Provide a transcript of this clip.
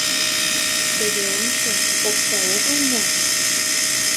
Теве ончо, окса огыл мо?